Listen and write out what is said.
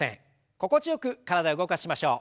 心地よく体を動かしましょう。